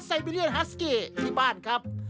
ไซบิเลียนฮัสเกที่บ้านครับ